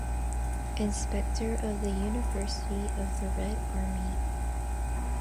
Inspector of the University of the Red Army.